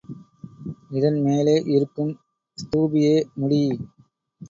இதன்மேலே இருக்கும் ஸ்தூபியே முடி.